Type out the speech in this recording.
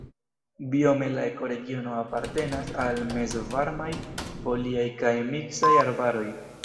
Biome la ekoregiono apartenas al mezvarmaj foliaj kaj miksaj arbaroj.